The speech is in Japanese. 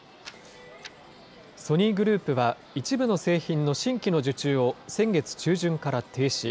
ソニーグループは、一部の製品の新規の受注を先月中旬から停止。